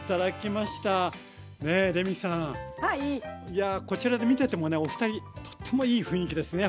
いやこちらで見ててもねお二人とってもいい雰囲気ですね